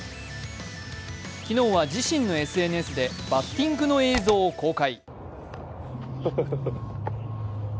昨日は自身のＳＮＳでバッティングの映像を公開。